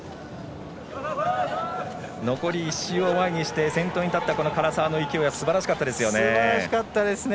残り１周を前にして先頭に立った唐澤の勢いはすばらしかったですよね。